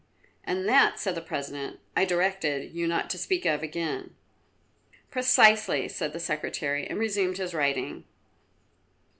"And that," said the President, "I directed you not to speak of again." "Precisely," said the Secretary, and resumed his writing.